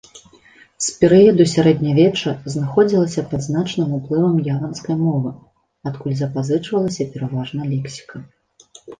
З перыяду сярэднявечча знаходзілася пад значным уплывам яванскай мовы, адкуль запазычвалася пераважна лексіка.